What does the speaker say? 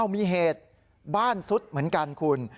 มีเหตุบ้านซุดเหมือนกันคุณ